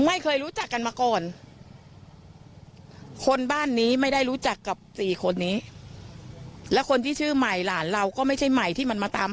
ไม่เคยรู้จักกันมาก่อนคนบ้านนี้ไม่ได้รู้จักกับสี่คนนี้